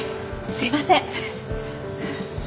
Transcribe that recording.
すいません！